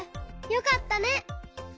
よかったね。